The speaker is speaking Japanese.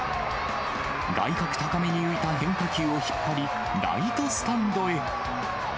外角高めに浮いた変化球を引っ張り、ライトスタンドへ。